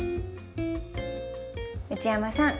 内山さん